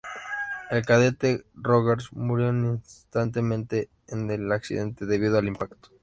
El Cadete Rogers murió instantáneamente en el accidente, debido al impacto.